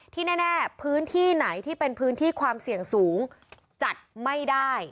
ที่แน่พื้นที่ไหนที่เป็นพื้นที่ความเสี่ยงสูงจัดไม่ได้